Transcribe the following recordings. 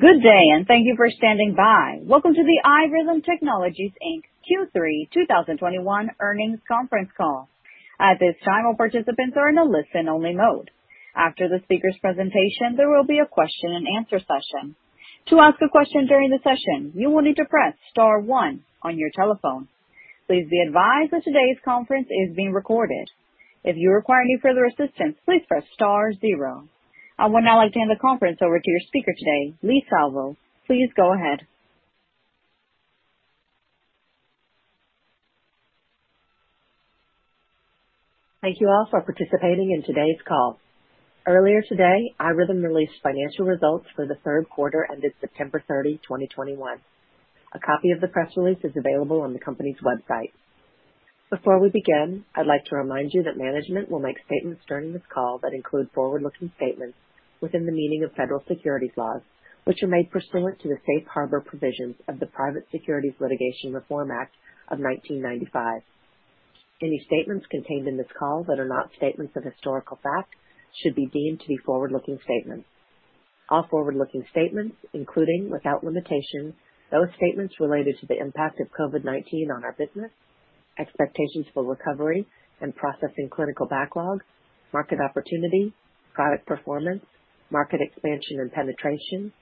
Good day, and thank you for standing by. Welcome to the iRhythm Technologies, Inc. Q3 2021 earnings Conference Call. At this time, all participants are in a listen-only mode. After the speaker's presentation, there will be a question-and-answer session. To ask a question during the session, you will need to press star one on your telephone. Please be advised that today's conference is being recorded. If you require any further assistance, please press star zero. I would now like to hand the conference over to your speaker today, Leigh Salvo. Please go ahead. Thank you all for participating in today's call. Earlier today, iRhythm released financial results for the Q3 ended September 30, 2021. A copy of the press release is available on the company's website. Before we begin, I'd like to remind you that management will make statements during this call that include forward-looking statements within the meaning of federal securities laws, which are made pursuant to the Safe Harbor provisions of the Private Securities Litigation Reform Act of 1995. Any statements contained in this call that are not statements of historical fact should be deemed to be forward-looking statements. All forward-looking statements, including, without limitation, those statements related to the impact of COVID-19 on our business, expectations for recovery and processing clinical backlogs, market opportunity, product performance, market expansion and penetration,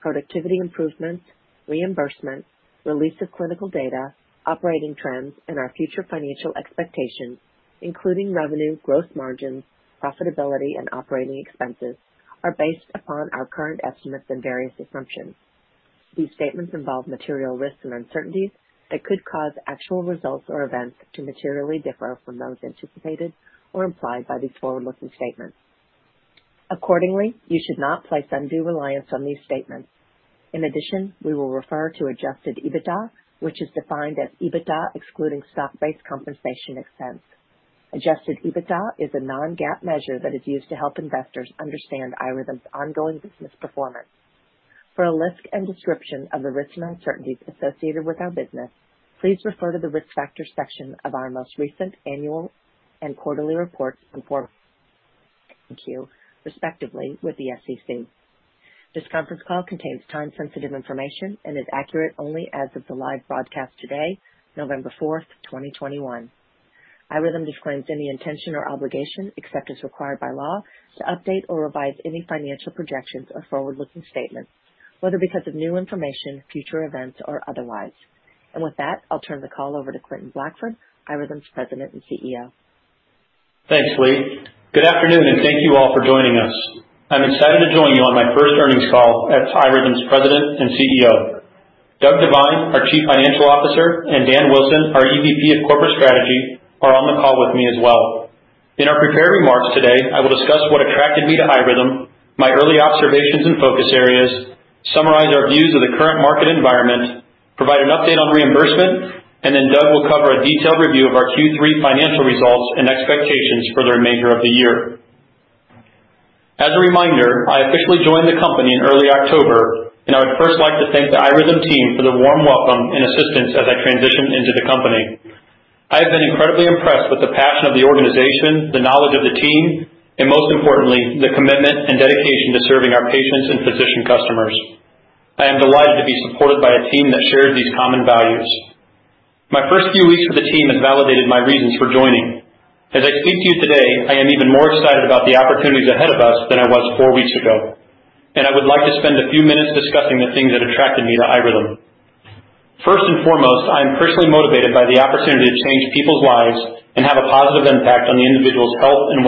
productivity improvements, reimbursement, release of clinical data, operating trends, and our future financial expectations, including revenue, growth margins, profitability, and operating expenses, are based upon our current estimates and various assumptions. These statements involve material risks and uncertainties that could cause actual results or events to materially differ from those anticipated or implied by these forward-looking statements. Accordingly, you should not place undue reliance on these statements. In addition, we will refer to adjusted EBITDA, which is defined as EBITDA excluding stock-based compensation expense. Adjusted EBITDA is a non-GAAP measure that is used to help investors understand iRhythm's ongoing business performance. For a list and description of the risks and uncertainties associated with our business, please refer to the Risk Factors section of our most recent annual and quarterly reports on Form 10-K and Form 10-Q, respectively, with the SEC. This Conference Call contains time-sensitive information and is accurate only as of the live broadcast today, November 4, 2021. iRhythm disclaims any intention or obligation, except as required by law, to update or revise any financial projections or forward-looking statements, whether because of new information, future events, or otherwise. With that, I'll turn the call over to Quentin Blackford, iRhythm's President and CEO. Thanks, Leigh. Good afternoon, and thank you all for joining us. I'm excited to join you on my first earnings call as iRhythm's President and CEO. Doug Devine, our Chief Financial Officer, and Dan Wilson, our EVP of Corporate Strategy, are on the call with me as well. In our prepared remarks today, I will discuss what attracted me to iRhythm, my early observations and focus areas, summarize our views of the current market environment, provide an update on reimbursement, and then Doug will cover a detailed review of our Q3 financial results and expectations for the remainder of the year. As a reminder, I officially joined the company in early October, and I would first like to thank the iRhythm team for the warm welcome and assistance as I transition into the company. I have been incredibly impressed with the passion of the organization, the knowledge of the team, and most importantly, the commitment and dedication to serving our patients and physician customers. I am delighted to be supported by a team that shares these common values. My first few weeks with the team has validated my reasons for joining. As I speak to you today, I am even more excited about the opportunities ahead of us than I was four weeks ago, and I would like to spend a few minutes discussing the things that attracted me to iRhythm. First and foremost, I am personally motivated by the opportunity to change people's lives and have a positive impact on the individual's health and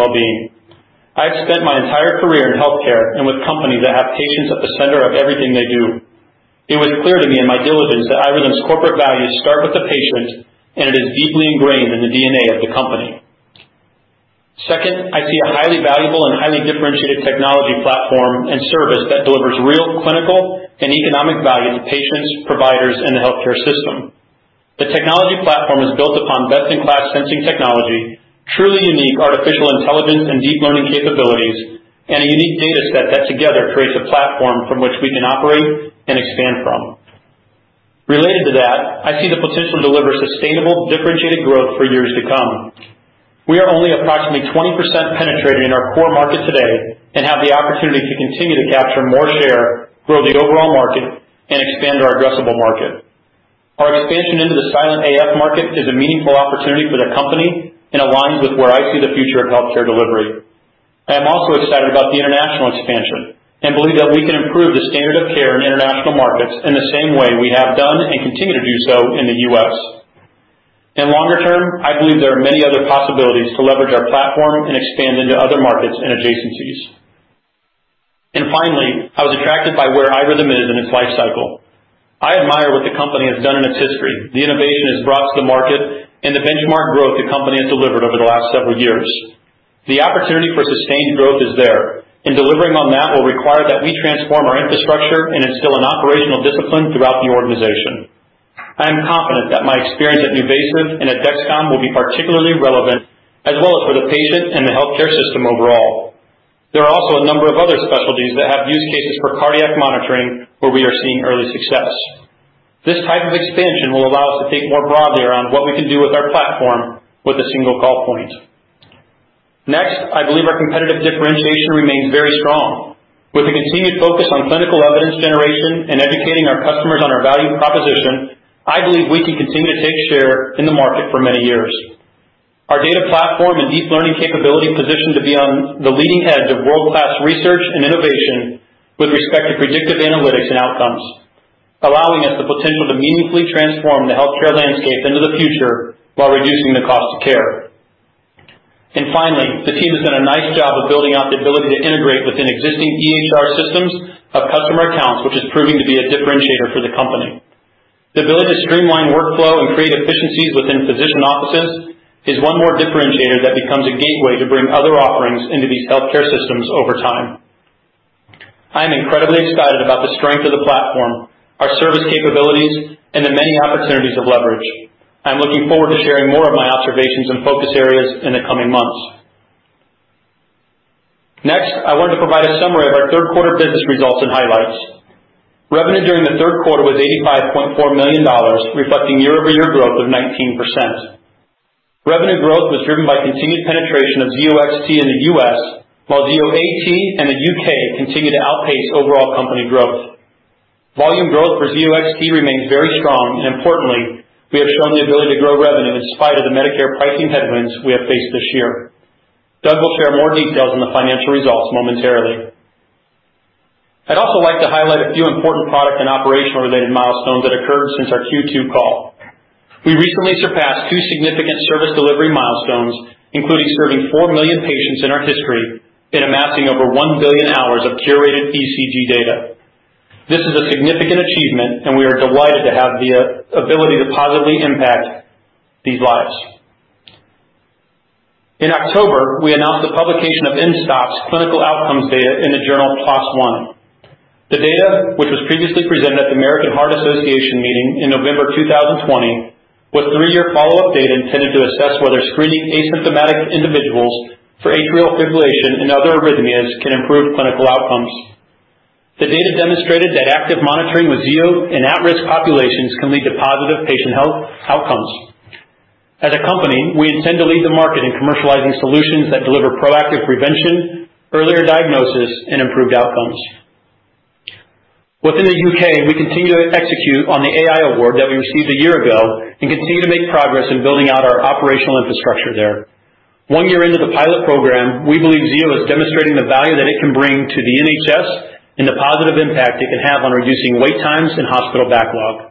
well-being. I've spent my entire career in healthcare and with companies that have patients at the center of everything they do. It was clear to me in my diligence that iRhythm's corporate values start with the patient, and it is deeply ingrained in the DNA of the company. Second, I see a highly-valuable and highly-differentiated technology platform and service that delivers real clinical and economic value to patients, providers, and the healthcare system. The technology platform is built upon best-in-class sensing technology, truly unique artificial intelligence and deep learning capabilities, and a unique data set that together creates a platform from which we can operate and expand from. Related to that, I see the potential to deliver sustainable, differentiated growth for years to come. We are only approximately 20% penetrated in our core market today and have the opportunity to continue to capture more share, grow the overall market, and expand our addressable market. Our expansion into the silent AF market is a meaningful opportunity for the company and aligns with where I see the future of healthcare delivery. I am also excited about the international expansion and believe that we can improve the standard of care in international markets in the same way we have done and continue to do so in the U.S. In longer term, I believe there are many other possibilities to leverage our platform and expand into other markets and adjacencies. Finally, I was attracted by where iRhythm is in its life cycle. I admire what the company has done in its history, the innovation it has brought to the market, and the benchmark growth the company has delivered over the last several years. The opportunity for sustained growth is there, and delivering on that will require that we transform our infrastructure and instill an operational discipline throughout the organization. I am confident that my experience at NuVasive and at Dexcom will be particularly relevant, as well as for the patient and the healthcare system overall. There are also a number of other specialties that have use cases for cardiac monitoring where we are seeing early success. This type of expansion will allow us to think more broadly around what we can do with our platform with a single call point. Next, I believe our competitive differentiation remains very strong. With the continued focus on clinical evidence generation and educating our customers on our value proposition, I believe we can continue to take share in the market for many years. Our data platform and deep learning capability position to be on the leading edge of world-class research and innovation with respect to predictive analytics and outcomes, allowing us the potential to meaningfully transform the healthcare landscape into the future while reducing the cost of care. Finally, the team has done a nice job of building out the ability to integrate within existing EHR systems of customer accounts, which is proving to be a differentiator for the company. The ability to streamline workflow and create efficiencies within physician offices is one more differentiator that becomes a gateway to bring other offerings into these healthcare systems over time. I am incredibly excited about the strength of the platform, our service capabilities, and the many opportunities of leverage. I'm looking forward to sharing more of my observations and focus areas in the coming months. Next, I want to provide a summary of our Q3 business results and highlights. Revenue during the Q3 was $85.4 million, reflecting year-over-year growth of 19%. Revenue growth was driven by continued penetration of Zio XT in the U.S., while Zio AT in the U.K. continued to outpace overall company growth. Volume growth for Zio XT remains very strong, and importantly, we have shown the ability to grow revenue in spite of the Medicare pricing headwinds we have faced this year. Doug will share more details on the financial results momentarily. I'd also like to highlight a few important product and operational-related milestones that occurred since our Q2 call. We recently surpassed two significant service delivery milestones, including serving 4 million patients in our history and amassing over 1 billion hours of curated ECG data. This is a significant achievement, and we are delighted to have the ability to positively impact these lives. In October, we announced the publication of mSToPS clinical outcomes data in the journal PLOS ONE. The data, which was previously presented at the American Heart Association meeting in November 2020, was three-year follow-up data intended to assess whether screening asymptomatic individuals for atrial fibrillation and other arrhythmias can improve clinical outcomes. The data demonstrated that active monitoring with Zio in at-risk populations can lead to positive patient health outcomes. As a company, we intend to lead the market in commercializing solutions that deliver proactive prevention, earlier diagnosis, and improved outcomes. Within the U.K., we continue to execute on the AI award that we received a year ago and continue to make progress in building out our operational infrastructure there. One year into the pilot program, we believe Zio is demonstrating the value that it can bring to the NHS and the positive impact it can have on reducing wait times and hospital backlog.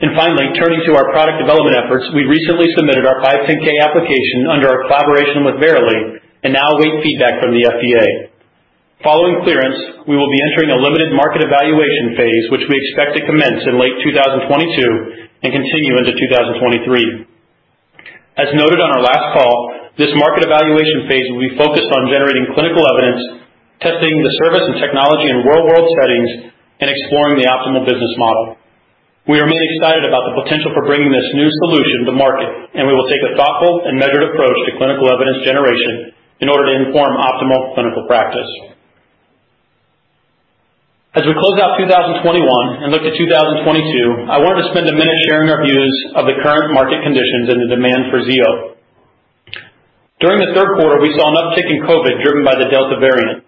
Finally, turning to our product development efforts. We recently submitted our 510(k) application under our collaboration with Verily and now await feedback from the FDA. Following clearance, we will be entering a limited market evaluation phase, which we expect to commence in late 2022 and continue into 2023. As noted on our last call, this market evaluation phase will be focused on generating clinical evidence, testing the service and technology in real-world settings, and exploring the optimal business model. We are really excited about the potential for bringing this new solution to market, and we will take a thoughtful and measured approach to clinical evidence generation in order to inform optimal clinical practice. As we close out 2021 and look to 2022, I want to spend a minute sharing our views of the current market conditions and the demand for Zio. During the Q3, we saw an uptick in COVID driven by the Delta variant.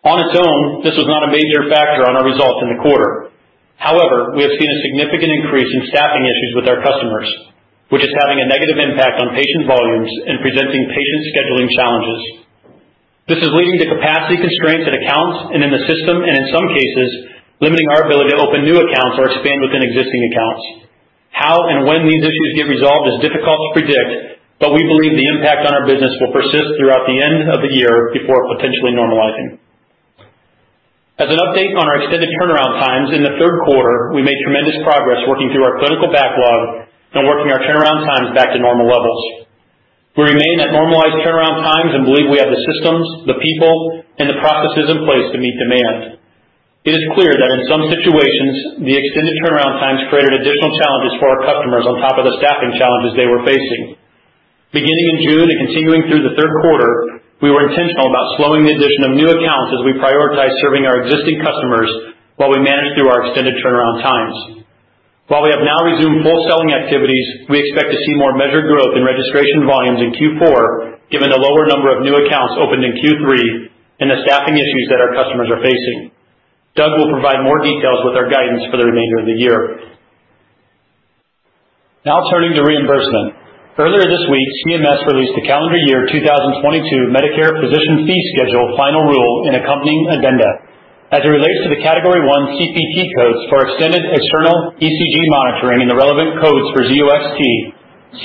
On its own, this was not a major factor on our results in the quarter. However, we have seen a significant increase in staffing issues with our customers, which is having a negative impact on patient volumes and presenting patient scheduling challenges. This is leading to capacity constraints at accounts and in the system, and in some cases, limiting our ability to open new accounts or expand within existing accounts. How and when these issues get resolved is difficult to predict, but we believe the impact on our business will persist throughout the end of the year before potentially normalizing. As an update on our extended turnaround times, in the Q3, we made tremendous progress working through our clinical backlog and working our turnaround times back to normal levels. We remain at normalized turnaround times and believe we have the systems, the people, and the processes in place to meet demand. It is clear that in some situations, the extended turnaround times created additional challenges for our customers on top of the staffing challenges they were facing. Beginning in June and continuing through the Q3, we were intentional about slowing the addition of new accounts as we prioritize serving our existing customers while we manage through our extended turnaround times. While we have now resumed full selling activities, we expect to see more measured growth in registration volumes in Q4, given the lower number of new accounts opened in Q3 and the staffing issues that our customers are facing. Doug will provide more details with our guidance for the remainder of the year. Now turning to reimbursement. Earlier this week, CMS released the calendar year 2022 Medicare physician fee schedule final rule and accompanying addenda. As it relates to the category one CPT codes for extended external ECG monitoring and the relevant codes for Zio XT,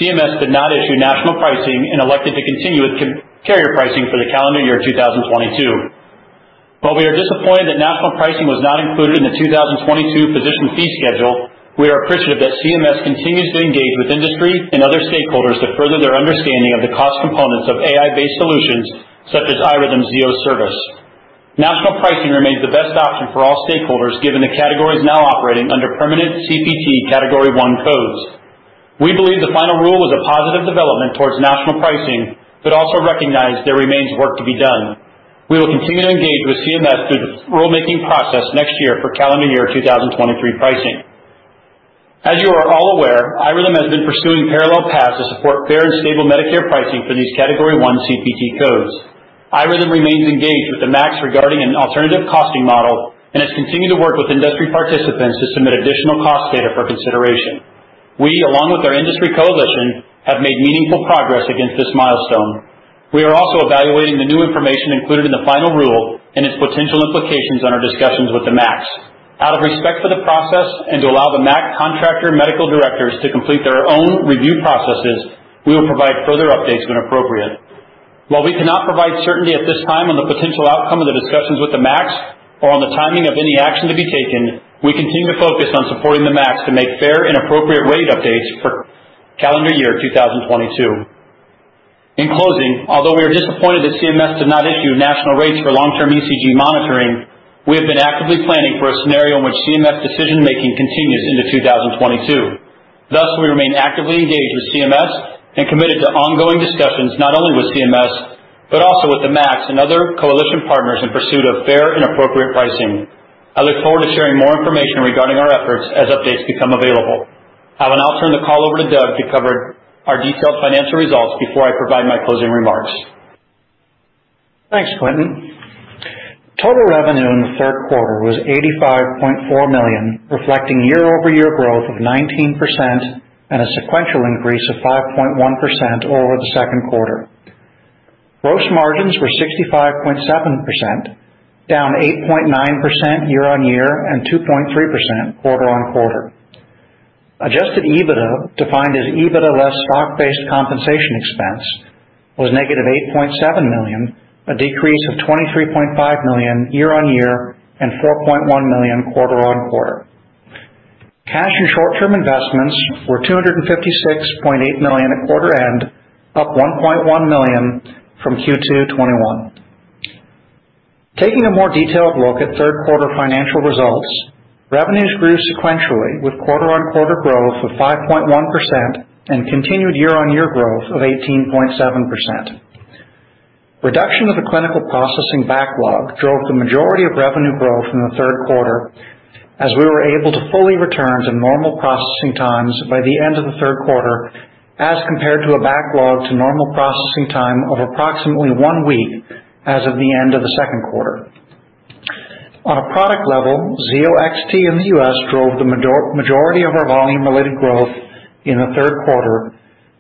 CMS did not issue national pricing and elected to continue with carrier pricing for the calendar year 2022. While we are disappointed that national pricing was not included in the 2022 physician fee schedule, we are appreciative that CMS continues to engage with industry and other stakeholders to further their understanding of the cost components of AI-based solutions such as iRhythm's Zio service. National pricing remains the best option for all stakeholders given the categories now operating under permanent CPT category one codes. We believe the final rule is a positive development towards national pricing, but also recognize there remains work to be done. We will continue to engage with CMS through the rulemaking process next year for calendar year 2023 pricing. As you are all aware, iRhythm has been pursuing parallel paths to support fair and stable Medicare pricing for these Category One CPT codes. iRhythm remains engaged with the MACs regarding an alternative costing model and has continued to work with industry participants to submit additional cost data for consideration. We, along with our industry coalition, have made meaningful progress against this milestone. We are also evaluating the new information included in the final rule and its potential implications on our discussions with the MACs. Out of respect for the process and to allow the MAC contractor medical directors to complete their own review processes, we will provide further updates when appropriate. While we cannot provide certainty at this time on the potential outcome of the discussions with the MACs or on the timing of any action to be taken, we continue to focus on supporting the MACs to make fair and appropriate rate updates for calendar year 2022. In closing, although we are disappointed that CMS did not issue national rates for long-term ECG monitoring, we have been actively planning for a scenario in which CMS decision-making continues into 2022. Thus, we remain actively engaged with CMS and committed to ongoing discussions, not only with CMS, but also with the MACs and other coalition partners in pursuit of fair and appropriate pricing. I look forward to sharing more information regarding our efforts as updates become available. I will now turn the call over to Doug to cover our detailed financial results before I provide my closing remarks. Thanks, Quentin. Total revenue in the Q3 was $85.4 million, reflecting year-over-year growth of 19% and a sequential increase of 5.1% over the Q2. Gross margins were 65.7%, down 8.9% year-on-year and 2.3% quarter-on-quarter. Adjusted EBITDA, defined as EBITDA less stock-based compensation expense, was -$8.7 million, a decrease of $23.5 million year-on-year and $4.1 million quarter-on-quarter. Cash and short-term investments were $256.8 million at quarter end, up $1.1 million from Q2 2021. Taking a more detailed look at Q3 financial results, revenues grew sequentially with quarter-on-quarter growth of 5.1% and continued year-on-year growth of 18.7%. Reduction of the clinical processing backlog drove the majority of revenue growth in the Q3 as we were able to fully return to normal processing times by the end of the Q3, as compared to a backlog to normal processing time of approximately one week as of the end of the Q2. On a product level, Zio XT in the U.S. drove the majority of our volume-related growth in the Q3,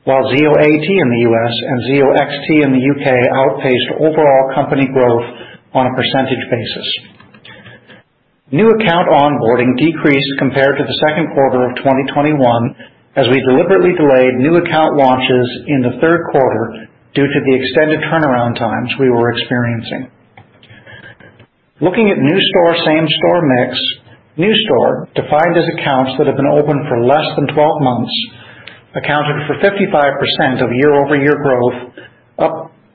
while Zio AT in the U.S. and Zio XT in the U.K. outpaced overall company growth on a percentage basis. New account onboarding decreased compared to the Q2 of 2021 as we deliberately delayed new account launches in the Q3 due to the extended turnaround times we were experiencing. Looking at new store, same-store mix, new store defined as accounts that have been open for less than 12 months accounted for 55% of year-over-year growth,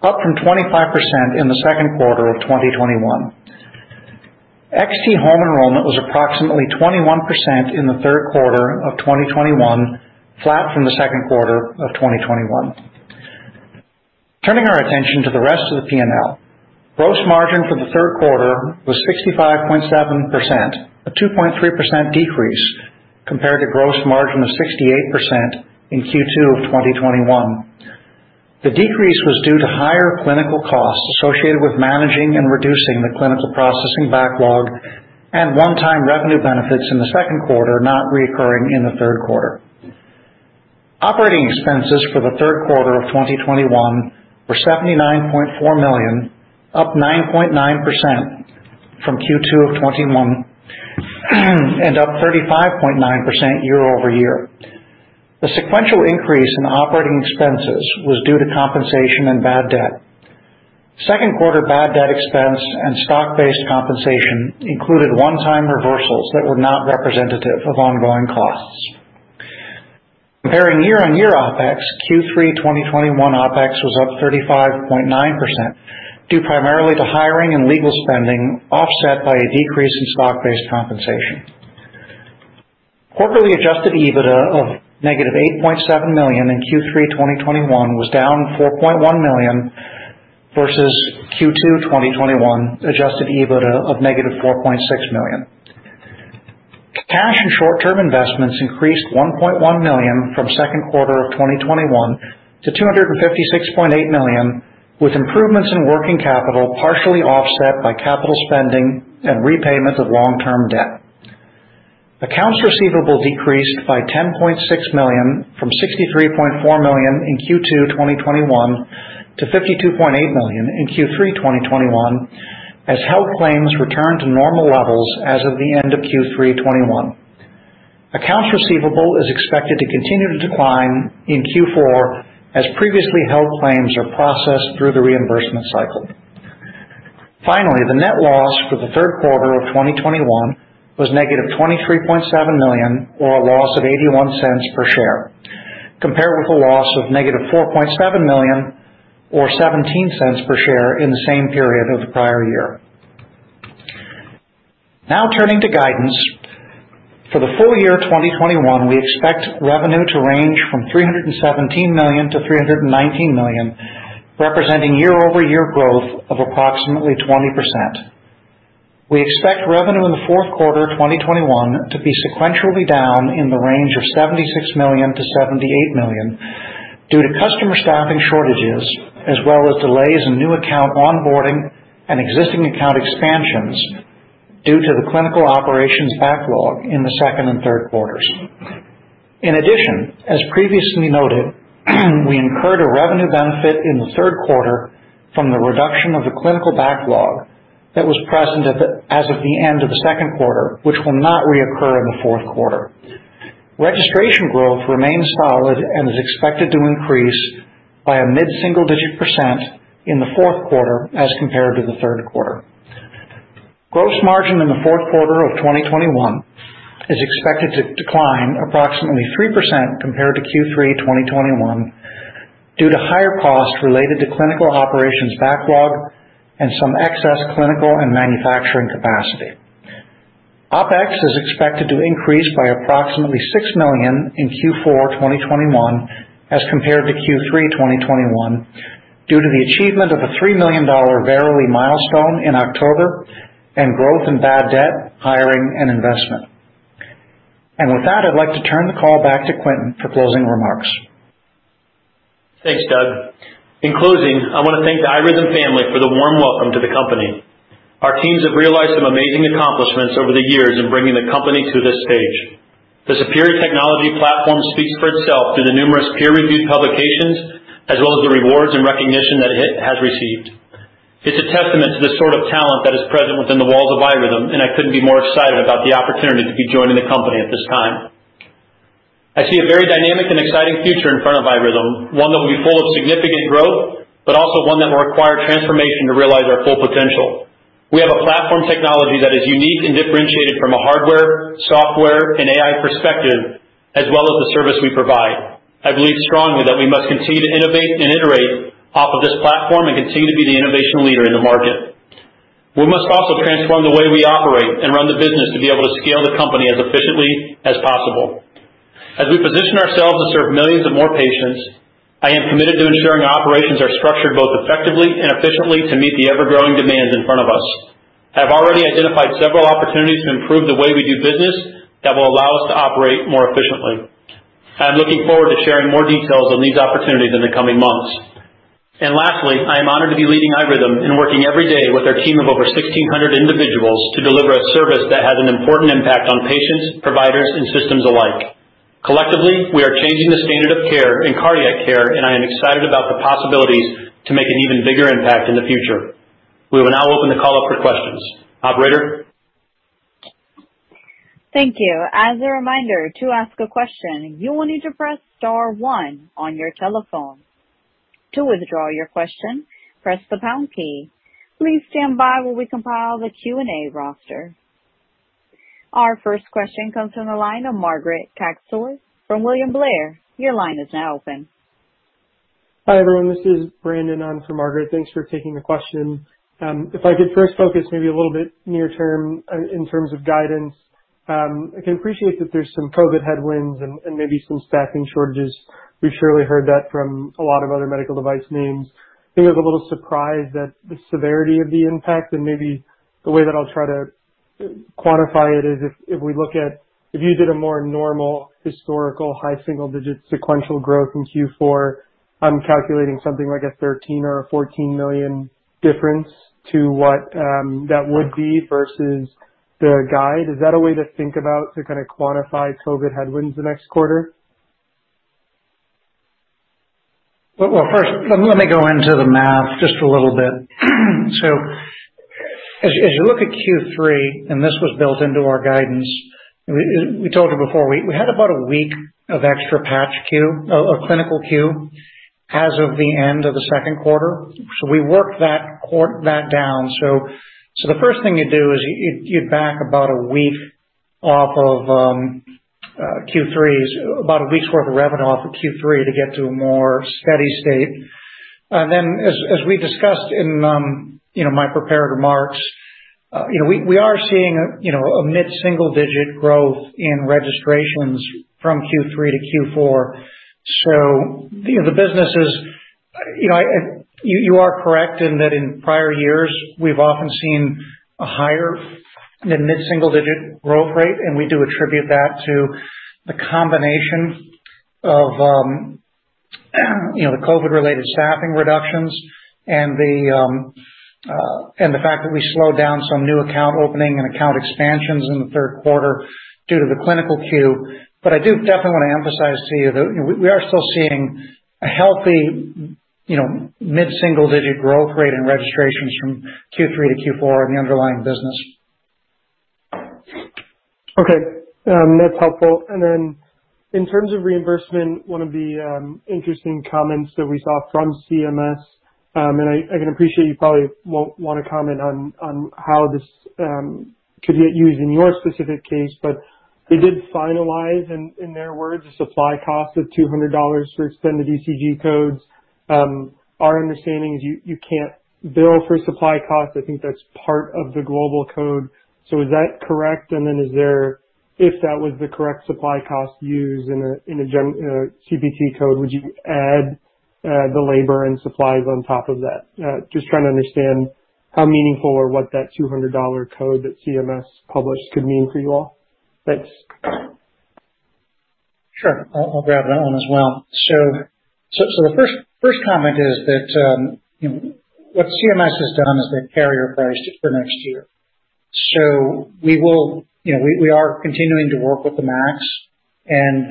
up from 25% in the Q2 of 2021. XT home enrollment was approximately 21% in the Q3 of 2021, flat from the Q2 of 2021. Turning our attention to the rest of the P&L. Gross margin for the Q3 was 65.7%, a 2.3% decrease compared to gross margin of 68% in Q2 of 2021. The decrease was due to higher clinical costs associated with managing and reducing the clinical processing backlog and one-time revenue benefits in the Q2 not recurring in the Q3. Operating expenses for the Q3 of 2021 were $79.4 million, up 9.9% from Q2 2021 and up 35.9% year-over-year. The sequential increase in operating expenses was due to compensation and bad debt. Q2 bad debt expense and stock-based compensation included one-time reversals that were not representative of ongoing costs. Comparing year-on-year OpEx, Q3 2021 OpEx was up 35.9% due primarily to hiring and legal spending, offset by a decrease in stock-based compensation. Quarterly adjusted EBITDA of negative $8.7 million in Q3 2021 was down $4.1 million versus Q2 2021 adjusted EBITDA of negative $4.6 million. Cash and short-term investments increased $1.1 million from Q2 2021 to $256.8 million, with improvements in working capital partially offset by capital spending and repayments of long-term debt. Accounts receivable decreased by $10.6 million from $63.4 million in Q2 2021 to $52.8 million in Q3 2021 as health claims returned to normal levels as of the end of Q3 2021. Accounts receivable is expected to continue to decline in Q4 as previously held claims are processed through the reimbursement cycle. Finally, the net loss for Q3 2021 was negative $23.7 million or a loss of $0.81 per share, compared with a loss of negative $4.7 million or $0.17 per share in the same period of the prior year. Now turning to guidance. For the full-year 2021, we expect revenue to range from $317 million-$319 million, representing year-over-year growth of approximately 20%. We expect revenue in the Q4 2021 to be sequentially down in the range of $76 million-$78 million due to customer staffing shortages, as well as delays in new account onboarding and existing account expansions due to the clinical operations backlog in the second and Q3s. In addition, as previously noted, we incurred a revenue benefit in the Q3 from the reduction of the clinical backlog that was present as of the end of the Q2, which will not reoccur in the Q4. Registration growth remains solid and is expected to increase by a mid-single-digit percent in the Q4 as compared to the Q3. Gross margin in the Q4 of 2021 is expected to decline approximately 3% compared to Q3 2021 due to higher costs related to clinical operations backlog and some excess clinical and manufacturing capacity. OpEx is expected to increase by approximately $6 million in Q4 2021 as compared to Q3 2021 due to the achievement of a $3 million Verily milestone in October and growth in bad debt, hiring, and investment. With that, I'd like to turn the call back to Quentin for closing remarks. Thanks, Doug. In closing, I wanna thank the iRhythm family for the warm welcome to the company. Our teams have realized some amazing accomplishments over the years in bringing the company to this stage. The superior technology platform speaks for itself through the numerous peer-reviewed publications as well as the rewards and recognition that it has received. It's a testament to the sort of talent that is present within the walls of iRhythm, and I couldn't be more excited about the opportunity to be joining the company at this time. I see a very dynamic and exciting future in front of iRhythm, one that will be full of significant growth, but also one that will require transformation to realize our full potential. We have a platform technology that is unique and differentiated from a hardware, software, and AI perspective, as well as the service we provide. I believe strongly that we must continue to innovate and iterate off of this platform and continue to be the innovation leader in the market. We must also transform the way we operate and run the business to be able to scale the company as efficiently as possible. As we position ourselves to serve millions of more patients, I am committed to ensuring our operations are structured both effectively and efficiently to meet the ever-growing demands in front of us. I have already identified several opportunities to improve the way we do business that will allow us to operate more efficiently. I am looking forward to sharing more details on these opportunities in the coming months. Lastly, I am honored to be leading iRhythm and working every day with our team of over 1,600 individuals to deliver a service that has an important impact on patients, providers, and systems alike. Collectively, we are changing the standard of care in cardiac care, and I am excited about the possibilities to make an even bigger impact in the future. We will now open the call up for questions. Operator? Thank you. As a reminder, to ask a question, you will need to press star one on your telephone. To withdraw your question, press the pound key. Please stand by while we compile the Q&A roster. Our first question comes from the line of Margaret Kaczor from William Blair. Your line is now open. Hi, everyone. This is Brandon on for Margaret. Thanks for taking the question. If I could first focus maybe a little bit near-term in terms of guidance. I can appreciate that there's some COVID headwinds and maybe some staffing shortages. We've surely heard that from a lot of other medical device names. I think I was a little surprised at the severity of the impact and maybe the way that I'll try to quantify it is if we look at if you did a more normal historical high single-digit sequential growth in Q4, I'm calculating something like a $13 million or $14 million difference to what that would be versus the guide. Is that a way to think about to kind of quantify COVID headwinds the next quarter? Well, first, let me go into the math just a little bit. As you look at Q3, and this was built into our guidance, we told you before, we had about a week of extra patch queue of clinical queue as of the end of the Q2. We worked that down. The first thing you do is you back about a week off of Q3, about a week's worth of revenue off of Q3 to get to a more steady state. As we discussed in you know, my prepared remarks, you know, we are seeing you know, a mid-single-digit growth in registrations from Q3 to Q4. You know, the business is. You know, I. You are correct in that in prior years we've often seen a higher than mid-single-digit growth rate, and we do attribute that to the combination of, you know, the COVID-19-related staffing reductions and the fact that we slowed down some new account opening and account expansions in the Q3 due to the clinical queue. But I do definitely wanna emphasize to you that, you know, we are still seeing a healthy, you know, mid-single-digit growth rate in registrations from Q3 to Q4 in the underlying business. Okay. That's helpful. In terms of reimbursement, one of the interesting comments that we saw from CMS, and I can appreciate you probably won't wanna comment on how this could get used in your specific case, but they did finalize in their words, a supply cost of $200 for extended ECG codes. Our understanding is you can't bill for supply costs. I think that's part of the global code. So is that correct? If that was the correct supply cost used in a CPT code, would you add the labor and supplies on top of that. Just trying to understand how meaningful or what that $200 code that CMS published could mean for you all. Thanks. Sure. I'll grab that one as well. The first comment is that, you know, what CMS has done is they're carrier-priced it for next year. We, you know, are continuing to work with the MACs, and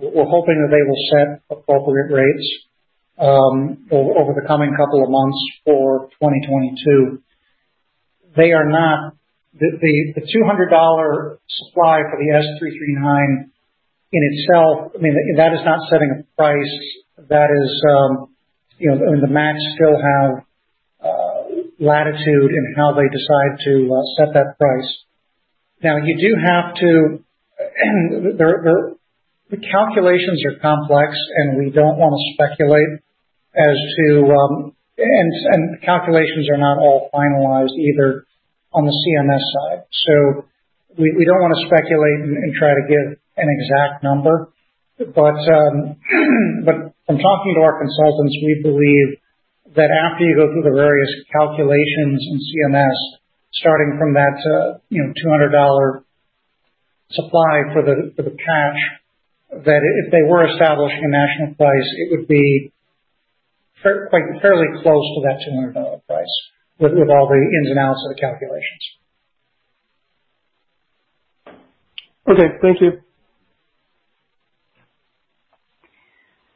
we're hoping that they will set appropriate rates over the coming couple of months for 2022. They are not. The $200 supply for the S339 in itself, I mean, that is not setting a price. That is, you know, I mean, the MACs still have latitude in how they decide to set that price. Now, the calculations are complex, and we don't wanna speculate as to, and the calculations are not all finalized either on the CMS side. We don't wanna speculate and try to give an exact number. But from talking to our consultants, we believe that after you go through the various calculations in CMS, starting from that, you know, $200 supply for the patch, that if they were establishing a national price, it would be fairly close to that $200 price with all the ins and outs of the calculations. Okay. Thank you.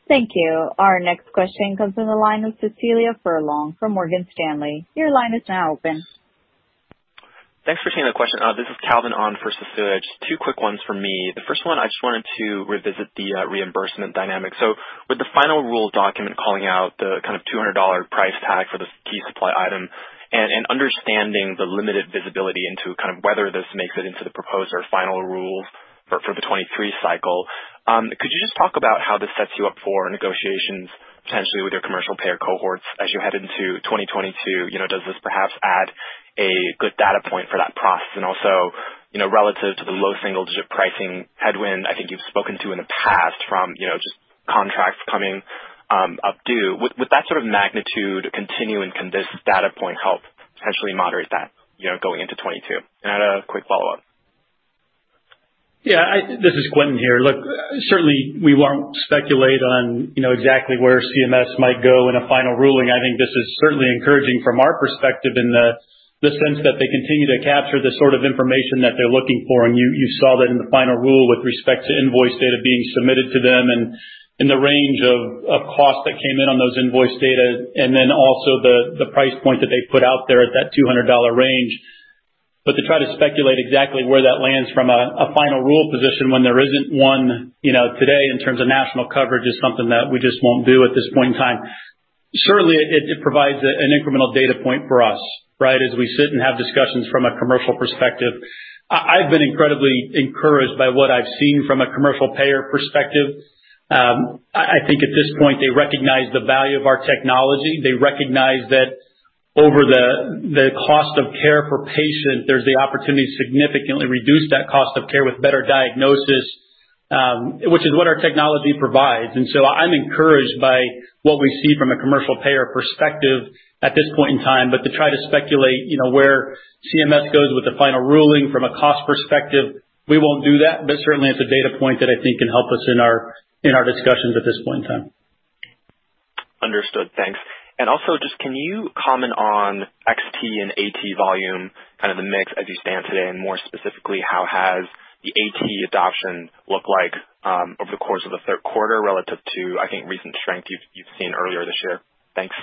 Thank you. Our next question comes from the line of Cecilia Furlong from Morgan Stanley. Your line is now open. Thanks for taking the question. This is Calvin on for Cecilia. Just two quick ones from me. The first one, I just wanted to revisit the reimbursement dynamic. With the final rule document calling out the kind of $200 price tag for this key supply item and understanding the limited visibility into kind of whether this makes it into the proposed or final rules for the 2023 cycle, could you just talk about how this sets you up for negotiations potentially with your commercial payer cohorts as you head into 2022? You know, does this perhaps add a good data point for that process? Also, you know, relative to the low single-digit pricing headwind I think you've spoken to in the past from, you know, just contracts coming up due. Would that sort of magnitude continue, and can this data point help potentially moderate that, you know, going into 2022? I had a quick follow-up. Yeah, this is Quentin here. Look, certainly we won't speculate on, you know, exactly where CMS might go in a final ruling. I think this is certainly encouraging from our perspective in the sense that they continue to capture the sort of information that they're looking for. You saw that in the final rule with respect to invoice data being submitted to them and in the range of cost that came in on those invoice data and then also the price point that they put out there at that $200 range. To try to speculate exactly where that lands from a final rule position when there isn't one, you know, today in terms of national coverage is something that we just won't do at this point in time. Certainly it provides an incremental data point for us, right, as we sit and have discussions from a commercial perspective. I've been incredibly encouraged by what I've seen from a commercial payer perspective. I think at this point, they recognize the value of our technology. They recognize that over the cost of care for patients, there's the opportunity to significantly reduce that cost of care with better diagnosis, which is what our technology provides. I'm encouraged by what we see from a commercial payer perspective at this point in time. To try to speculate, you know, where CMS goes with the final ruling from a cost perspective, we won't do that. Certainly it's a data point that I think can help us in our discussions at this point in time. Understood. Thanks. Also, just can you comment on XT and AT volume, kind of the mix as you stand today? More specifically, how has the AT adoption looked like over the course of the Q3 relative to, I think, recent strength you've seen earlier this year? Thanks.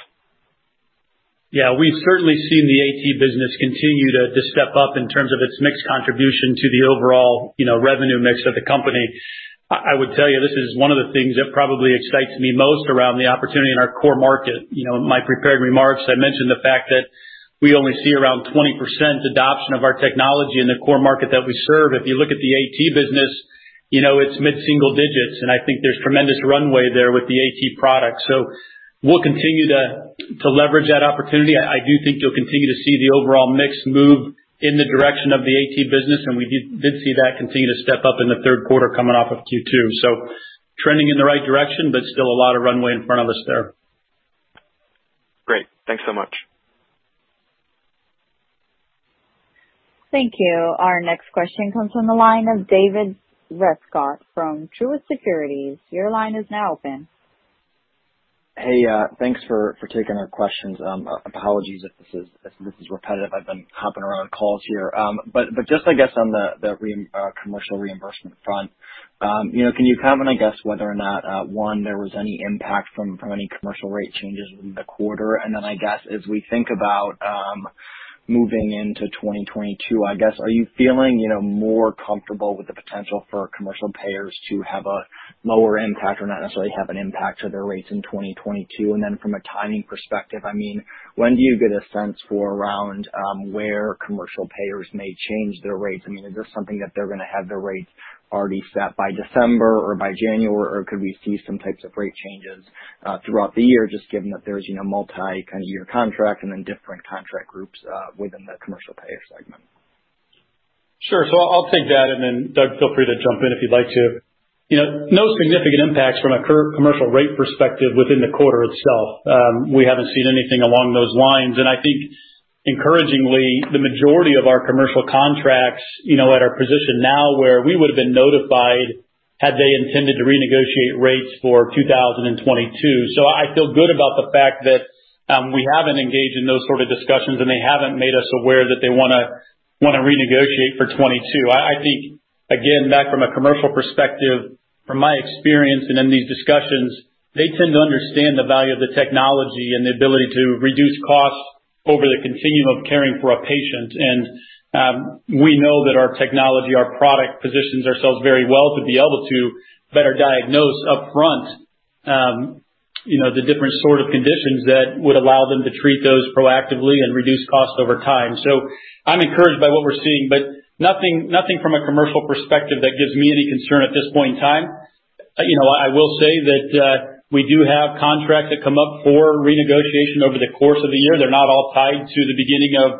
Yeah. We've certainly seen the AT business continue to step up in terms of its mix contribution to the overall, you know, revenue mix of the company. I would tell you this is one of the things that probably excites me most around the opportunity in our core market. You know, in my prepared remarks, I mentioned the fact that we only see around 20% adoption of our technology in the core market that we serve. If you look at the AT business, you know, it's mid-single-digits, and I think there's tremendous runway there with the AT product. So we'll continue to leverage that opportunity. I do think you'll continue to see the overall mix move in the direction of the AT business, and we did see that continue to step up in the Q3 coming off of Q2. trending in the right direction, but still a lot of runway in front of us there. Great. Thanks so much. Thank you. Our next question comes from the line of David Rescott from Truist Securities. Your line is now open. Hey, thanks for taking our questions. Apologies if this is repetitive. I've been hopping around calls here. Just, I guess, on the commercial reimbursement front, can you comment, I guess, whether or not one, there was any impact from any commercial rate changes in the quarter? I guess as we think about moving into 2022, I guess, are you feeling, you know, more comfortable with the potential for commercial payers to have a lower impact or not necessarily have an impact to their rates in 2022? From a timing perspective, I mean, when do you get a sense for around where commercial payers may change their rates? I mean, is this something that they're gonna have their rates already set by December or by January, or could we see some types of rate changes throughout the year just given that there's, you know, multi-year contract and then different contract groups within the commercial payer segment? Sure. I'll take that, and then Doug, feel free to jump in if you'd like to. You know, no significant impacts from a commercial rate perspective within the quarter itself. We haven't seen anything along those lines. I think encouragingly, the majority of our commercial contracts, you know, at our position now, where we would have been notified had they intended to renegotiate rates for 2022. I feel good about the fact that, we haven't engaged in those sort of discussions and they haven't made us aware that they wanna renegotiate for 2022. I think, again, back from a commercial perspective, from my experience and in these discussions, they tend to understand the value of the technology and the ability to reduce costs over the continuum of caring for a patient. We know that our technology, our product, positions ourselves very well to be able to better diagnose upfront, you know, the different sort of conditions that would allow them to treat those proactively and reduce costs over time. I'm encouraged by what we're seeing, but nothing from a commercial perspective that gives me any concern at this point in time. You know, I will say that we do have contracts that come up for renegotiation over the course of the year. They're not all tied to the beginning of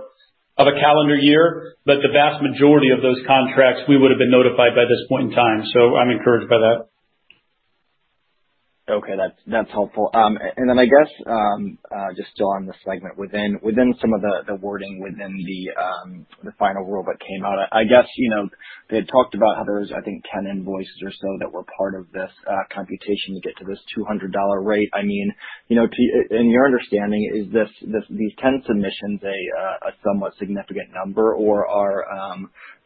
a calendar year, but the vast majority of those contracts, we would have been notified by this point in time. I'm encouraged by that. Okay. That's helpful. I guess just still on this segment. Within some of the wording within the final rule that came out, I guess you know they had talked about how there was I think 10 invoices or so that were part of this computation to get to this $200 rate. I mean you know In your understanding is these 10 submissions a somewhat significant number? Or are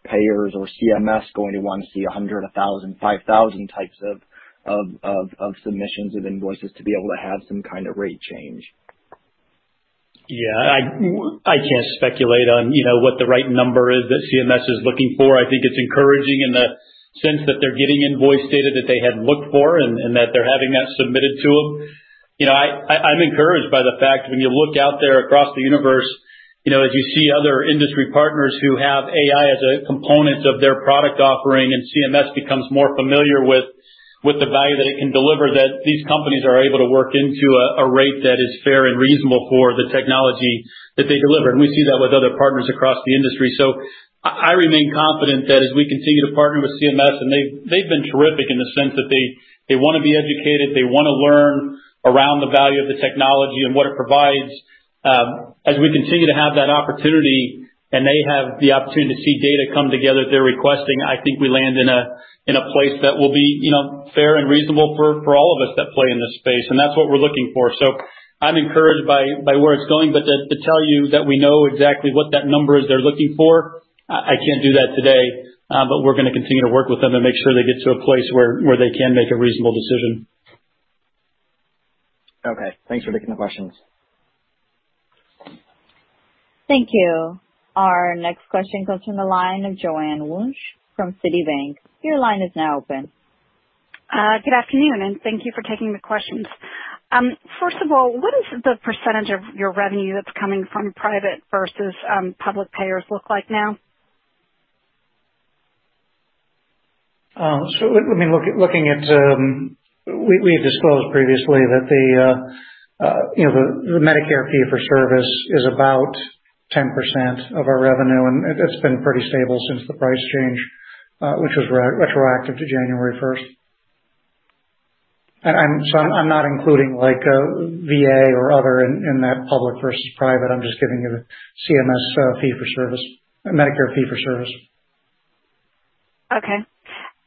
payers or CMS going to want to see 100, 1,000, 5,000 types of submissions of invoices to be able to have some kind of rate change? Yeah. I can't speculate on, you know, what the right number is that CMS is looking for. I think it's encouraging in the sense that they're getting invoice data that they had looked for and that they're having that submitted to them. You know, I'm encouraged by the fact when you look out there across the universe, you know, as you see other industry partners who have AI as a component of their product offering, and CMS becomes more familiar with the value that it can deliver, that these companies are able to work into a rate that is fair and reasonable for the technology that they deliver. We see that with other partners across the industry. I remain confident that as we continue to partner with CMS and they've been terrific in the sense that they wanna be educated, they wanna learn around the value of the technology and what it provides. As we continue to have that opportunity and they have the opportunity to see data come together they're requesting, I think we land in a place that will be, you know, fair and reasonable for all of us that play in this space, and that's what we're looking for. I'm encouraged by where it's going. To tell you that we know exactly what that number is they're looking for, I can't do that today. We're gonna continue to work with them to make sure they get to a place where they can make a reasonable decision. Okay. Thanks for taking the questions. Thank you. Our next question comes from the line of Joanne Wuensch from Citi. Your line is now open. Good afternoon, and thank you for taking the questions. First of all, what is the percentage of your revenue that's coming from private versus public payers look like now? I mean, we've disclosed previously that, you know, the Medicare fee-for-service is about 10% of our revenue, and it's been pretty stable since the price change, which was retroactive to January first. I'm not including like, VA or other in that public versus private. I'm just giving you the CMS fee-for-service, Medicare fee-for-service. Okay.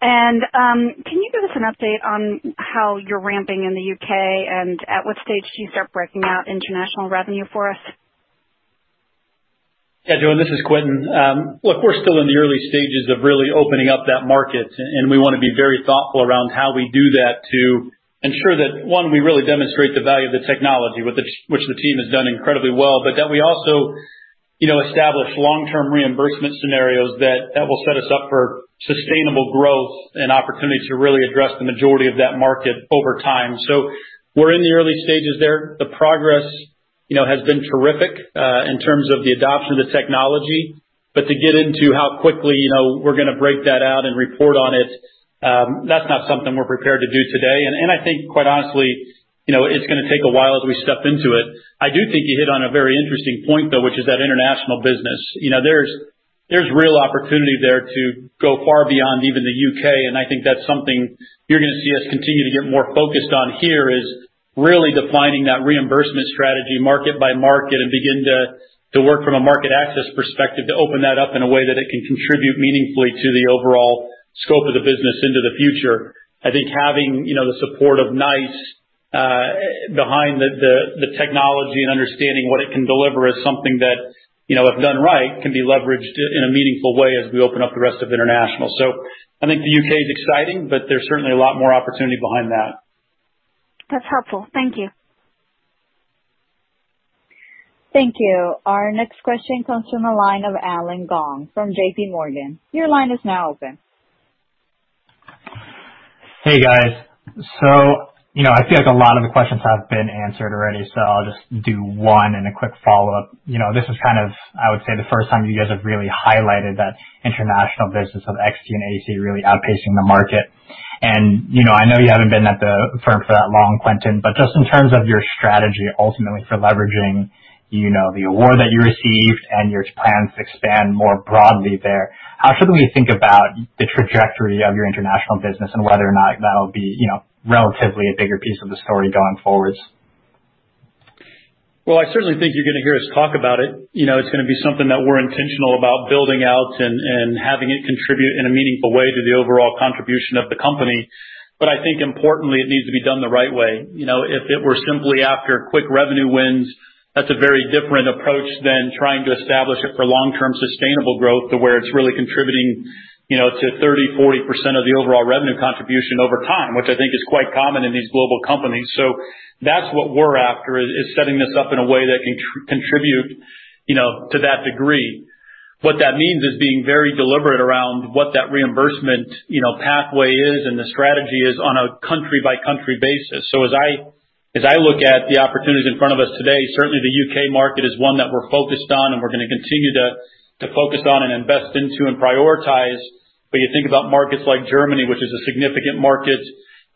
Can you give us an update on how you're ramping in the U.K. and at what stage do you start breaking out international revenue for us? Yeah, Joanne, this is Quentin. Look, we're still in the early stages of really opening up that market, and we wanna be very thoughtful around how we do that to ensure that, one, we really demonstrate the value of the technology, which the team has done incredibly well. But that we also, you know, establish long-term reimbursement scenarios that will set us up for sustainable growth and opportunity to really address the majority of that market over time. We're in the early stages there. The progress, you know, has been terrific in terms of the adoption of the technology. To get into how quickly, you know, we're gonna break that out and report on it, that's not something we're prepared to do today. I think quite honestly, you know, it's gonna take a while as we step into it. I do think you hit on a very interesting point, though, which is that international business. You know, there's real opportunity there to go far beyond even the U.K., and I think that's something you're gonna see us continue to get more focused on here, is really defining that reimbursement strategy market by market and begin to work from a market access perspective to open that up in a way that it can contribute meaningfully to the overall scope of the business into the future. I think having, you know, the support of NICE behind the technology and understanding what it can deliver is something that, you know, if done right, can be leveraged in a meaningful way as we open up the rest of international. I think the U.K. is exciting, but there's certainly a lot more opportunity behind that. That's helpful. Thank you. Thank you. Our next question comes from the line of Allen Gong from J.P. Morgan. Your line is now open. Hey, guys. You know, I feel like a lot of the questions have been answered already, so I'll just do one and a quick follow-up. You know, this is kind of, I would say, the first time you guys have really highlighted that international business of XT and AT really outpacing the market. You know, I know you haven't been at the firm for that long, Quentin, but just in terms of your strategy ultimately for leveraging, you know, the award that you received and your plans to expand more broadly there, how should we think about the trajectory of your international business and whether or not that'll be, you know, relatively a bigger piece of the story going forwards? Well, I certainly think you're gonna hear us talk about it. You know, it's gonna be something that we're intentional about building out and having it contribute in a meaningful way to the overall contribution of the company. But I think importantly, it needs to be done the right way. You know, if it were simply after quick revenue wins, that's a very different approach than trying to establish it for long-term sustainable growth to where it's really contributing, you know, to 30%-40% of the overall revenue contribution over time, which I think is quite common in these global companies. So that's what we're after, is setting this up in a way that can contribute, you know, to that degree. What that means is being very deliberate around what that reimbursement, you know, pathway is and the strategy is on a country-by-country basis. As I look at the opportunities in front of us today, certainly the U.K. market is one that we're focused on and we're gonna continue to focus on and invest into and prioritize. You think about markets like Germany, which is a significant market,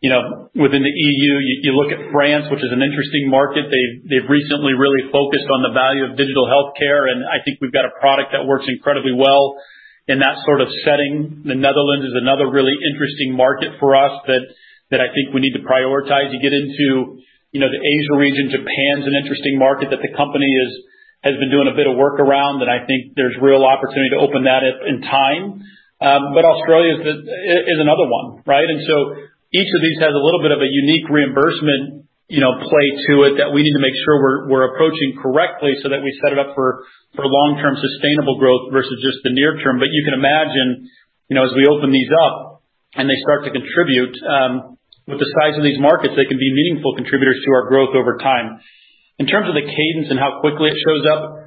you know, within the EU. You look at France, which is an interesting market. They've recently really focused on the value of digital healthcare, and I think we've got a product that works incredibly well in that sort of setting. The Netherlands is another really interesting market for us that I think we need to prioritize. You get into, you know, the Asia region. Japan's an interesting market that the company has been doing a bit of work around, and I think there's real opportunity to open that up in time. Australia is another one, right? Each of these has a little bit of a unique reimbursement, you know, play to it that we need to make sure we're approaching correctly so that we set it up for long-term sustainable growth versus just the near term. You can imagine, you know, as we open these up and they start to contribute, with the size of these markets, they can be meaningful contributors to our growth over time. In terms of the cadence and how quickly it shows up,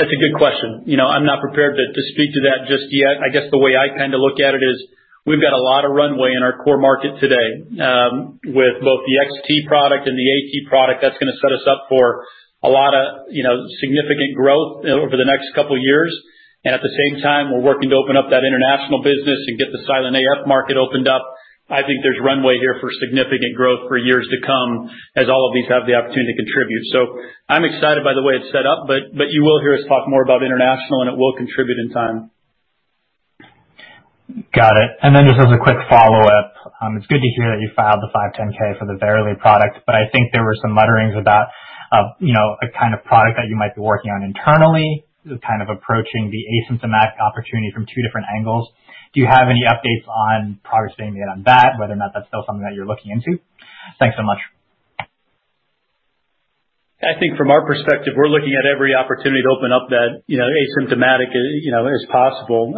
that's a good question. You know, I'm not prepared to speak to that just yet. I guess the way I kinda look at it is we've got a lot of runway in our core market today. With both the XT product and the AT product, that's gonna set us up for a lot of, you know, significant growth over the next couple years. At the same time, we're working to open up that international business and get the silent AF market opened up. I think there's runway here for significant growth for years to come as all of these have the opportunity to contribute. I'm excited by the way it's set up, but you will hear us talk more about international, and it will contribute in time. Got it. Just as a quick follow-up, it's good to hear that you filed the 510(k) for the Verily product, but I think there were some mutterings about, you know, a kind of product that you might be working on internally, kind of approaching the asymptomatic opportunity from two different angles. Do you have any updates on progress being made on that, whether or not that's still something that you're looking into? Thanks so much. I think from our perspective, we're looking at every opportunity to open up that, you know, asymptomatic, you know, as possible.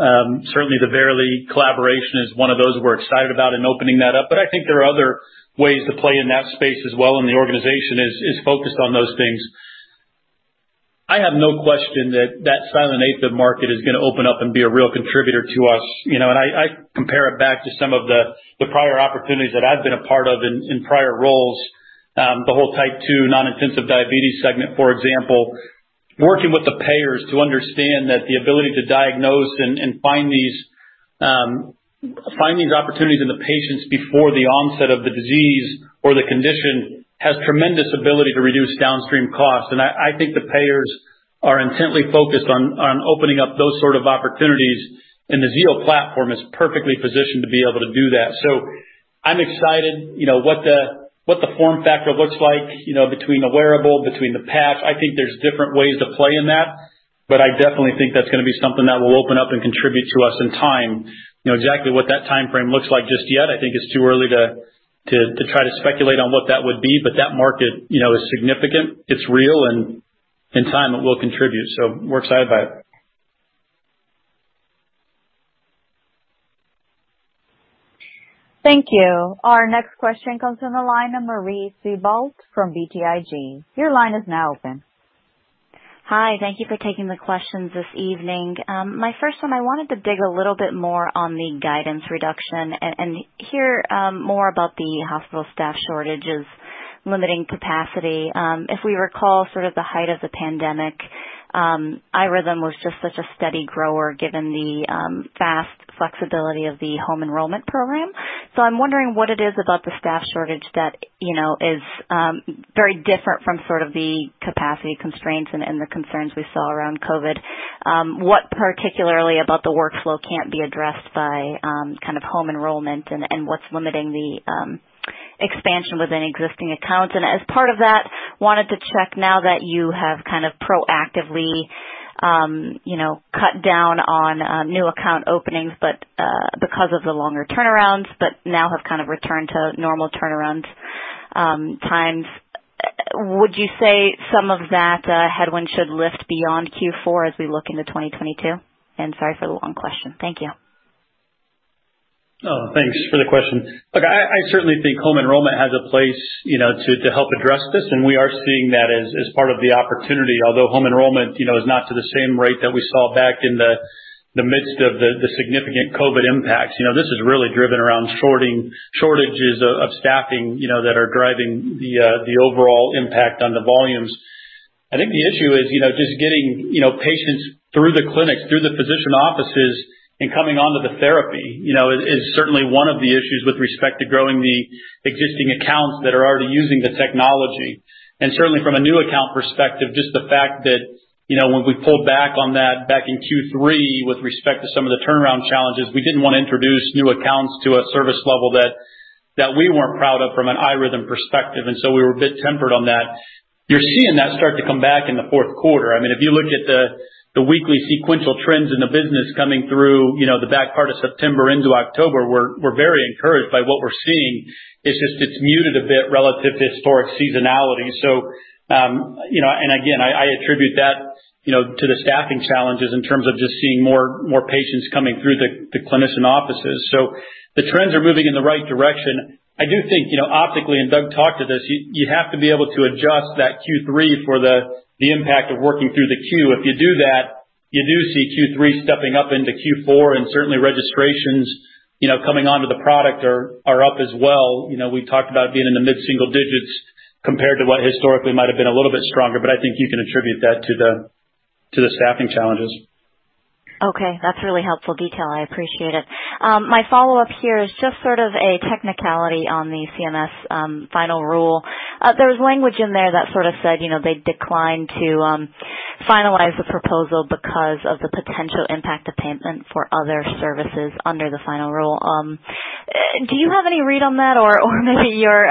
Certainly the Verily collaboration is one of those we're excited about in opening that up. I think there are other ways to play in that space as well, and the organization is focused on those things. I have no question that silent AF market is gonna open up and be a real contributor to us. You know, and I compare it back to some of the prior opportunities that I've been a part of in prior roles. The whole type 2 non-insulin diabetes segment, for example. Working with the payers to understand that the ability to diagnose and find these opportunities in the patients before the onset of the disease or the condition has tremendous ability to reduce downstream costs. I think the payers are intently focused on opening up those sort of opportunities, and the ZEUS platform is perfectly positioned to be able to do that. I'm excited. You know, what the form factor looks like, you know, between the wearable, the patch, I think there's different ways to play in that, but I definitely think that's gonna be something that will open up and contribute to us in time. You know, exactly what that timeframe looks like just yet, I think it's too early to try to speculate on what that would be. That market, you know, is significant, it's real, and in time it will contribute. We're excited about it. Thank you. Our next question comes from the line of Marie Thibault from BTIG. Your line is now open. Hi. Thank you for taking the questions this evening. My first one, I wanted to dig a little bit more on the guidance reduction and hear more about the hospital staff shortages limiting capacity. If we recall sort of the height of the pandemic, iRhythm was just such a steady grower given the vast flexibility of the home enrollment program. I'm wondering what it is about the staff shortage that, you know, is very different from sort of the capacity constraints and the concerns we saw around COVID. What particularly about the workflow can't be addressed by kind of home enrollment and what's limiting the expansion within existing accounts? As part of that, I wanted to check now that you have kind of proactively, you know, cut down on new account openings, but because of the longer turnarounds, but now have kind of returned to normal turnaround times, would you say some of that headwind should lift beyond Q4 as we look into 2022? Sorry for the long question. Thank you. No, thanks for the question. Look, I certainly think home enrollment has a place, you know, to help address this, and we are seeing that as part of the opportunity. Although home enrollment, you know, is not to the same rate that we saw back in the midst of the significant COVID impacts. You know, this is really driven around shortages of staffing, you know, that are driving the overall impact on the volumes. I think the issue is, you know, just getting, you know, patients through the clinics, through the physician offices and coming onto the therapy, you know, is certainly one of the issues with respect to growing the existing accounts that are already using the technology. Certainly from a new account perspective, just the fact that, you know, when we pulled back on that back in Q3 with respect to some of the turnaround challenges, we didn't wanna introduce new accounts to a service level that we weren't proud of from an iRhythm perspective, and so we were a bit tempered on that. You're seeing that start to come back in the Q4. I mean, if you look at the weekly sequential trends in the business coming through, you know, the back part of September into October, we're very encouraged by what we're seeing. It's just muted a bit relative to historic seasonality. You know, and again, I attribute that, you know, to the staffing challenges in terms of just seeing more patients coming through the clinician offices. The trends are moving in the right direction. I do think, you know, optically, and Doug talked to this, you have to be able to adjust that Q3 for the impact of working through the queue. If you do that, you do see Q3 stepping up into Q4, and certainly registrations, you know, coming onto the product are up as well. You know, we talked about being in the mid-single-digits compared to what historically might have been a little bit stronger, but I think you can attribute that to the staffing challenges. Okay, that's really helpful detail. I appreciate it. My follow-up here is just sort of a technicality on the CMS final rule. There was language in there that sort of said, you know, they declined to finalize the proposal because of the potential impact of payment for other services under the final rule. Do you have any read on that or maybe your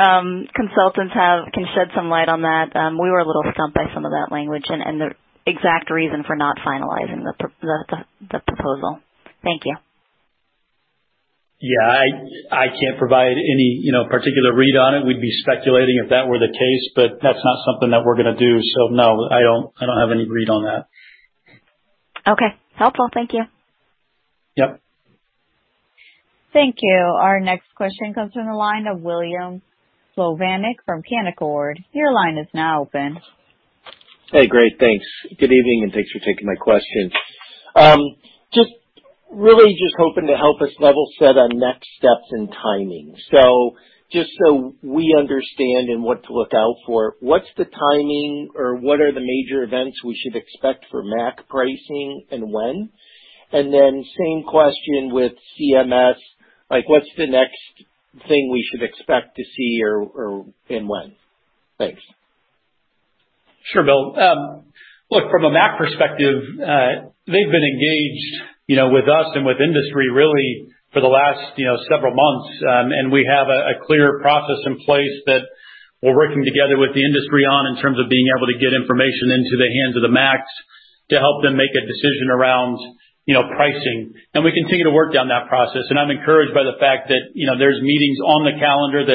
consultants can shed some light on that? We were a little stumped by some of that language and the exact reason for not finalizing the proposal. Thank you. Yeah. I can't provide any, you know, particular read on it. We'd be speculating if that were the case, but that's not something that we're gonna do. No, I don't have any read on that. Okay. Helpful. Thank you. Yep. Thank you. Our next question comes from the line of Bill Plovanic from Canaccord. Your line is now open. Hey, great, thanks. Good evening, and thanks for taking my question. Just really just hoping to help us level set on next steps and timing. Just so we understand and what to look out for, what's the timing or what are the major events we should expect for MAC pricing and when? Then same question with CMS. Like, what's the next thing we should expect to see or and when? Thanks. Sure, Bill. Look, from a MACs perspective, they've been engaged, you know, with us and with industry really for the last, you know, several months. We have a clear process in place that we're working together with the industry on in terms of being able to get information into the hands of the MACs to help them make a decision around, you know, pricing. We continue to work on that process, and I'm encouraged by the fact that, you know, there's meetings on the calendar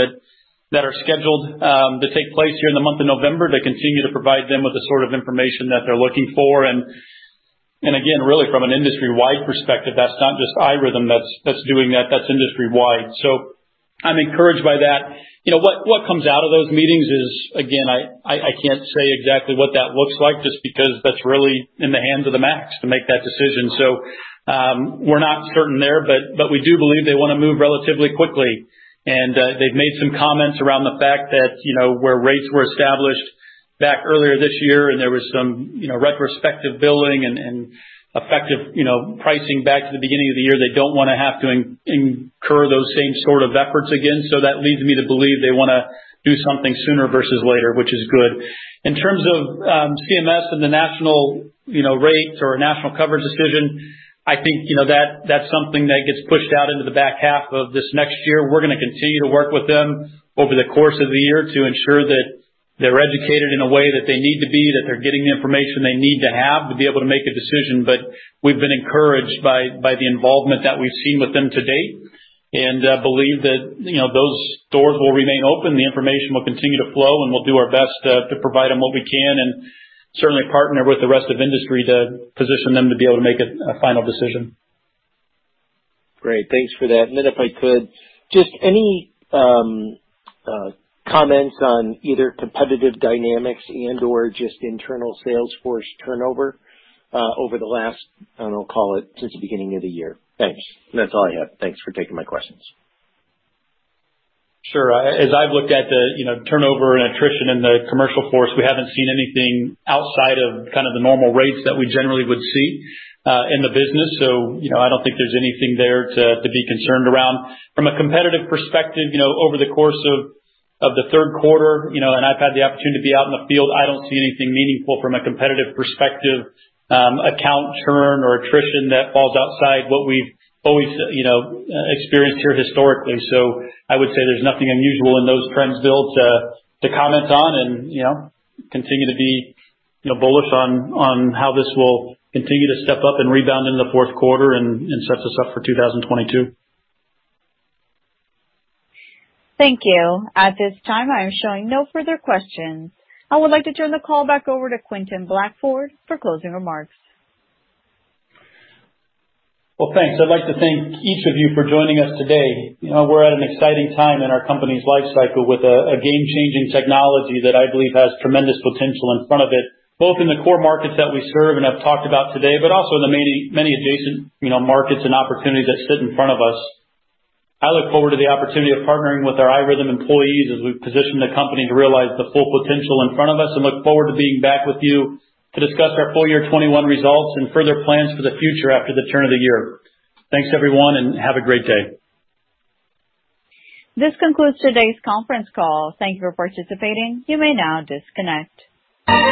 that are scheduled to take place here in the month of November to continue to provide them with the sort of information that they're looking for. Again, really from an industry-wide perspective, that's not just iRhythm that's doing that. That's industry-wide. I'm encouraged by that. You know, what comes out of those meetings is, again, I can't say exactly what that looks like just because that's really in the hands of the MACs to make that decision. We're not certain there, but we do believe they wanna move relatively quickly. They've made some comments around the fact that, you know, where rates were established back earlier this year and there was some, you know, retrospective billing and effective, you know, pricing back to the beginning of the year, they don't wanna have to incur those same sort of efforts again. That leads me to believe they wanna do something sooner versus later, which is good. In terms of CMS and the national, you know, rate or national coverage decision, I think, you know, that that's something that gets pushed out into the back half of this next year. We're gonna continue to work with them over the course of the year to ensure that they're educated in a way that they need to be, that they're getting the information they need to have to be able to make a decision. But we've been encouraged by the involvement that we've seen with them to date, and believe that, you know, those doors will remain open. The information will continue to flow, and we'll do our best to provide them what we can and certainly partner with the rest of industry to position them to be able to make a final decision. Great. Thanks for that. If I could, just any comments on either competitive dynamics and/or just internal sales force turnover, over the last, I don't know, call it since the beginning of the year. Thanks. That's all I have. Thanks for taking my questions. Sure. As I've looked at the, you know, turnover and attrition in the commercial force, we haven't seen anything outside of kind of the normal rates that we generally would see in the business. You know, I don't think there's anything there to be concerned around. From a competitive perspective, you know, over the course of the Q3, you know, and I've had the opportunity to be out in the field, I don't see anything meaningful from a competitive perspective, account churn or attrition that falls outside what we've always, you know, experienced here historically. I would say there's nothing unusual in those trends, Bill, to comment on and, you know, continue to be, you know, bullish on how this will continue to step up and rebound in the Q4 and set us up for 2022. Thank you. At this time, I am showing no further questions. I would like to turn the call back over to Quentin Blackford for closing remarks. Well, thanks. I'd like to thank each of you for joining us today. You know, we're at an exciting time in our company's life cycle with a game-changing technology that I believe has tremendous potential in front of it, both in the core markets that we serve and have talked about today, but also in the many, many adjacent, you know, markets and opportunities that sit in front of us. I look forward to the opportunity of partnering with our iRhythm employees as we position the company to realize the full potential in front of us and look forward to being back with you to discuss our full-year 2021 results and further plans for the future after the turn of the year. Thanks, everyone, and have a great day. This concludes today's Conference Call. Thank you for participating. You may now disconnect.